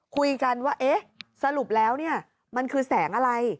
คุยกันว่าเอ๊ะสรุปแล้วเนี่ยมันคือแสงอะไร